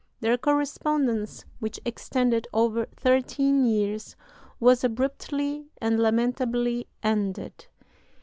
Their correspondence, which extended over thirteen years, was abruptly and lamentably ended.